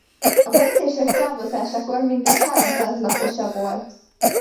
A bencések távozásakor mintegy háromszáz lakosa volt.